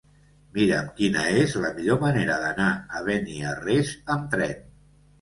Mira'm quina és la millor manera d'anar a Beniarrés amb tren.